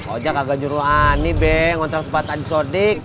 oh jack kagak juru ani be ngontrak di tempat haji sodik